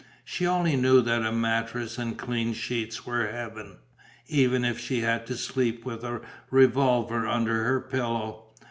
She only knew that a mattress and clean sheets were heaven, even if she had to sleep with a revolver under her pillow.